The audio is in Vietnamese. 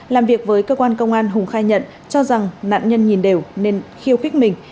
làm việc với cơ quan công an hùng khai nhận cho rằng nạn nhân nhìn đều nên khiêu khích mình